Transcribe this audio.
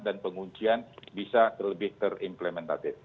dan penguncian bisa terimplementasi